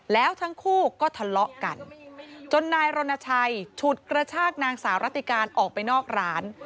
แล้วทั้งคู่ก็ทะเลาะกันจนนายรณชัยฉุดกระชากนางสาวรัติการออกไปนอกร้าน